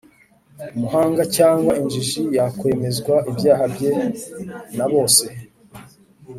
umuhanga cyangwa injiji yakwemezwa ibyaha bye na bose